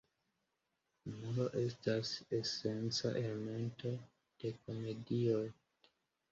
Humuro estas esenca elemento de komedioj.